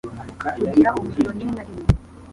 Kugira umuriro rimwe na rimwe